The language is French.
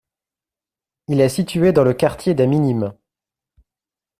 Il est situé dans le quartier des Minimes.